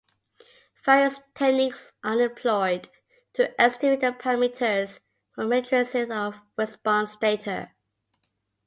Various techniques are employed to estimate the parameters from matrices of response data.